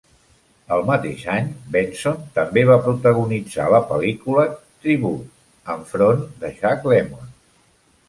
El mateix any, Benson també va protagonitzar la pel·lícula "Tribute" enfront de Jack Lemmon.